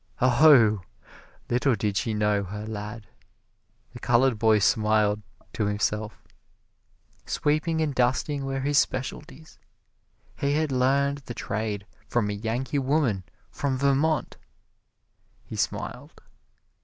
Oho! Little did she know her lad. The colored boy smiled to himself sweeping and dusting were his specialties he had learned the trade from a Yankee woman from Vermont! He smiled.